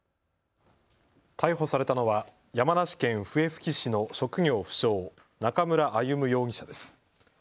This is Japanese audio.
逮捕されたのは山梨県笛吹市の職業不詳、中村歩武容疑者です。